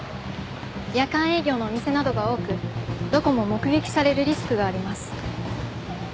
夜間営業のお店などが多くどこも目撃されるリスクがあります。